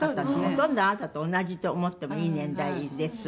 ほとんどあなたと同じと思ってもいい年代です。